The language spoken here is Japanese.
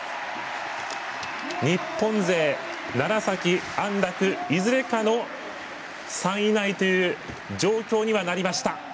日本勢、楢崎、安楽いずれかの３位以内という状況にはなりました。